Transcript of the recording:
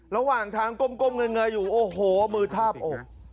ระหว่างทางก้มเงยอยู่โอ้โหมือทาบอก